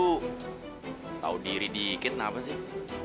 tahu diri dikit kenapa sih